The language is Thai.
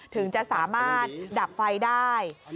ถึงจะสามารถดับไฟได้